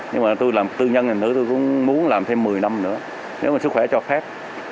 nhưng mà tôi làm tư nhân ngành nữa tôi cũng muốn làm thêm một mươi năm nữa nếu mà sức khỏe cho phép